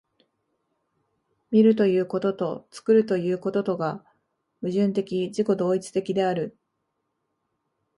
見るということと作るということとが矛盾的自己同一的である。